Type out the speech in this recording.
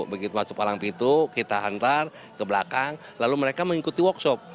begitu masuk palang pintu kita hantar ke belakang lalu mereka mengikuti workshop